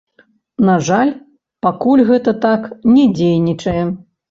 На жаль, пакуль гэта так не дзейнічае.